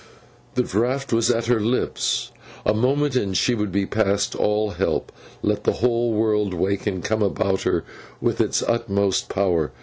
The draught was at her lips. A moment and she would be past all help, let the whole world wake and come about her with its utmost power.